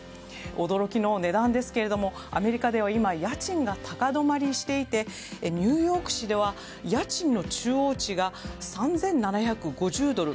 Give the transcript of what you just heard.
驚きの値段ですけれどもアメリカでは今、家賃が高止まりしていてニューヨーク市では家賃の中央値が３７５０ドル。